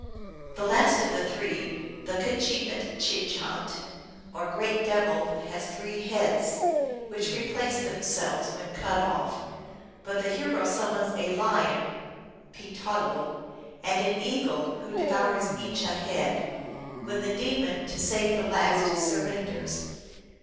" The last of the three, the JTche mitche hant, or great devil, has three heads, which replace themselves when cut off ; but the hero summons a lion (pee tahlo) and an eagle, who devour each a head, when the demon, to save the last, surrenders.